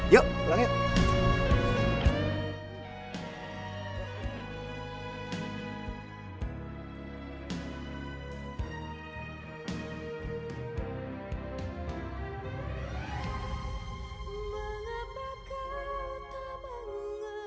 yuk pulang yuk